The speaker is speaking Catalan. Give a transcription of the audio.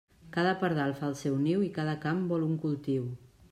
Cada pardal fa el seu niu i cada camp vol un cultiu.